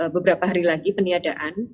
beberapa hari lagi peniadaan